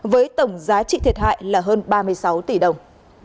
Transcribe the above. với tổng giá trị thiệt hại là hơn ba mươi sáu tỷ đồng